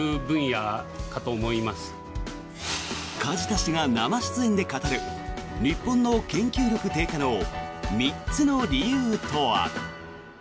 梶田氏が生出演で語る日本の研究力低下の３つの理由とは。